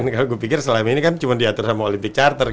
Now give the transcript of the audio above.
kalau gue pikir selama ini kan cuma diatur oleh olympic charter